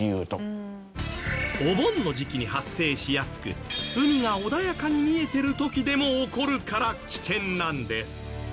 お盆の時期に発生しやすく海が穏やかに見えてる時でも起こるから危険なんです。